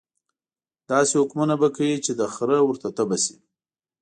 داسې حکمونه به کوي چې د خره ورته تبه شي.